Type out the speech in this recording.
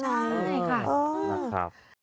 ใช่ค่ะนะครับ